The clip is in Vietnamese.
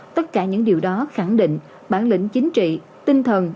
tất cả những điều đó khẳng định bản lĩnh chính trị tinh thần